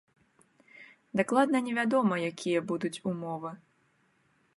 Дакладна невядома, якія будуць умовы.